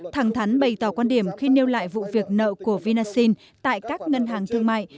thẳng thắn bày tỏ quan điểm khi nêu lại vụ việc nợ của vinasin tại các ngân hàng thương mại